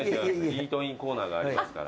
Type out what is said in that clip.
イートインコーナーがありますから。